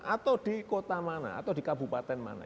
atau di kota mana atau di kabupaten mana